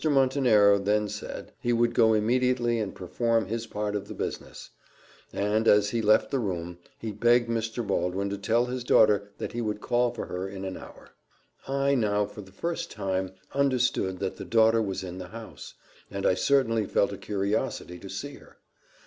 Montenero then said, he would go immediately and perform his part of the business; and, as he left the room, he begged Mr. Baldwin to tell his daughter that he would call for her in an hour. "I now, for the first time, understood that the daughter was in the house; and I certainly felt a curiosity to see her.